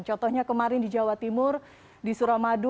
contohnya kemarin di jawa timur di suramadu